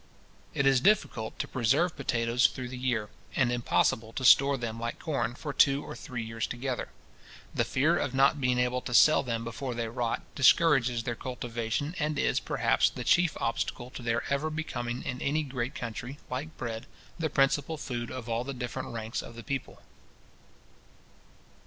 It is difficult to preserve potatoes through the year, and impossible to store them like corn, for two or three years together. The fear of not being able to sell them before they rot, discourages their cultivation, and is, perhaps, the chief obstacle to their ever becoming in any great country, like bread, the principal vegetable food of all the different ranks of the people.